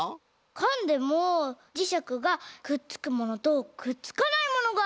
かんでもじしゃくがくっつくものとくっつかないものがあるんだ！